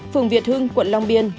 phường việt hương quận long biên